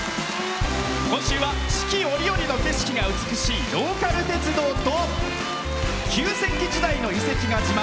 今週は四季折々の景色が美しいローカル鉄道と旧石器時代の遺跡が自慢。